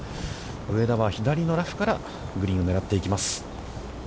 上田は左のラフからグリーンを狙っていきます。